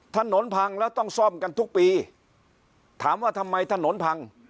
ถนนพังแล้วต้องซ่อมกันทุกปีถามว่าทำไมถนนพัง